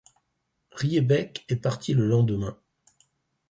Riebeeck est parti le lendemain.